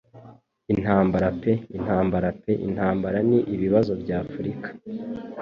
Intambara pe intambara pe intambara ni ibibazo bya afrika